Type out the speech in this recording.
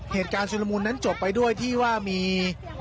เหตุการณ์ชุลมูลนั้นจบไปด้วยที่ว่ามี